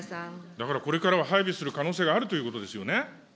だから、これからは配備する可能性があるということですよね。